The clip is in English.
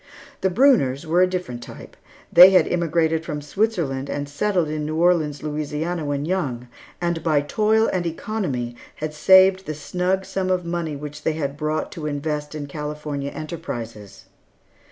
The Brunners were a different type. They had immigrated from Switzerland and settled in New Orleans, Louisiana, when young, and by toil and economy had saved the snug sum of money which they brought to invest in California enterprises.